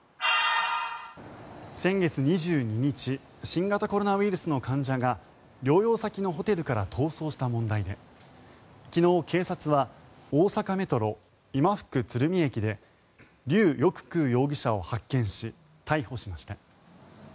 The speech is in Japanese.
先月２２日新型コロナウイルスの患者が療養先のホテルから逃走した問題で昨日、警察は大阪メトロ今福鶴見駅でリュウ・ヨククウ容疑者を発見し逮捕しました。